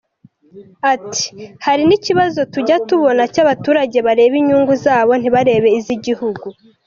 Ati “Hari n’ikibazo tujya tubona cy’abaturage bareba inyungu zabo ntibarebe iz’igihugu.